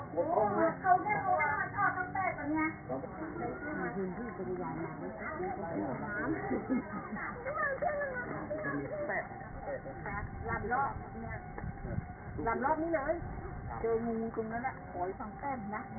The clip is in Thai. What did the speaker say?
ลำรอบลำรอบนี้เลยเจอมูงตรงนั้นอะขออีกส่องแป้งนะ